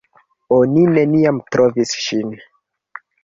Oni neniam trovis ŝin.